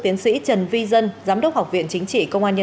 tổ chức thi hành án các vụ án tham gia